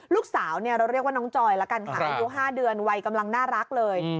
ลูกสาวเราเรียกว่าน้องจอยละกันค่ะอายุ๕เดือนวัยกำลังน่ารักเลย